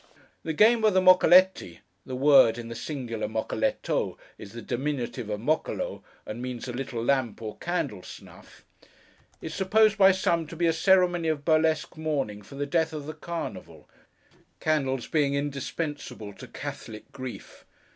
The game of the Moccoletti (the word, in the singular, Moccoletto, is the diminutive of Moccolo, and means a little lamp or candlesnuff) is supposed by some to be a ceremony of burlesque mourning for the death of the Carnival: candles being indispensable to Catholic grief.